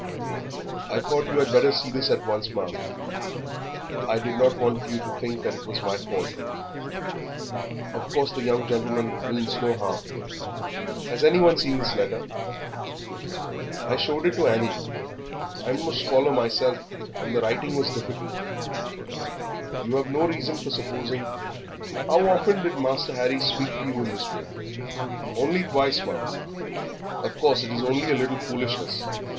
"I thought you had better see this at once, ma'am. I did not want you to think it was my fault. Of course the young gentleman means no harm." "Has anyone seen this letter?" "I showed it to Annie. I'm no scholar myself, and the writing was difficult." "You have no reason for supposing How often did Master Harry speak to you in this way?" "Only twice, ma'am." "Of course it is only a little foolishness.